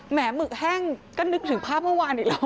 หมึกแห้งก็นึกถึงภาพเมื่อวานอีกแล้ว